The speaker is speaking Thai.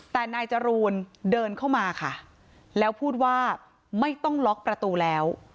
แต่นายจรูนเดินเข้ามาค่ะแล้วพูดว่าไม่ต้องล็อกประตูแล้ว